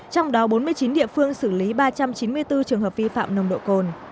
trong đó bốn mươi chín địa phương xử lý ba trăm chín mươi bốn trường hợp vi phạm nồng độ cồn